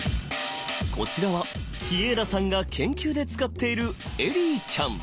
こちらは日永田さんが研究で使っているエリーちゃん。